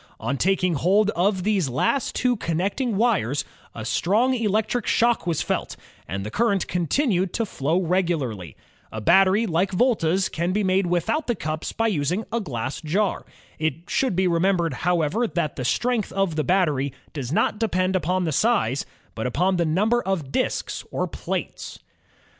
On taking hold of these last two connecting wires a strong electric shock was felt, and the current continued to flow regularly, A battery like Volta 's can be made without the cups by using a glass jar. It should be remembered, however, that the strength of the battery does not depend upon the size, but upon the number of the disks or plates, • There is probably a machine of this kind in your high school.